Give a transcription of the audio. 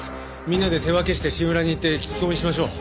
みんなで手分けしてシンウラに行って聞き込みしましょう。